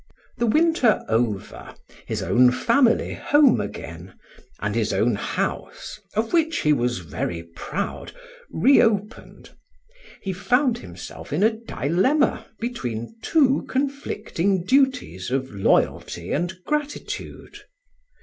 The winter over, his own family home again, and his own house (of which he was very proud) reopened, he found himself in a dilemma between two conflicting duties of loyalty and gratitude.